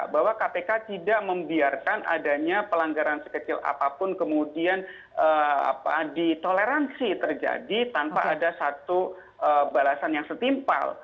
bahwa kpk tidak membiarkan adanya pelanggaran sekecil apapun kemudian ditoleransi terjadi tanpa ada satu balasan yang setimpal